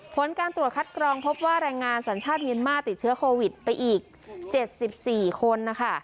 ผลการตรวจคัดกรองพบว่าแรงงานสัญชาติเมียนมาร์ติดเชื้อโควิดไปอีก๗๔คนนะคะ